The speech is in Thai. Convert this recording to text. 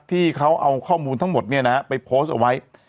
ที่เขาเอาข้อมูลทั้งหมดเนี่ยนะฮะไปโพสต์เอาไว้